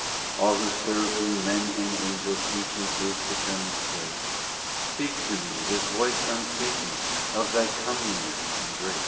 All who serve Thee men and angels Each in his determined place Speak to me, with voice unceasing, Of Thy comeliness and grace.